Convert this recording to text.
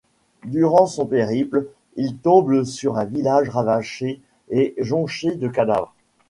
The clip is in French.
Durant son périple, il tombe sur un village ravagé et jonché de cadavres.